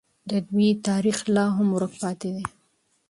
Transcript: د دوی تاریخ لا هم ورک پاتې دی.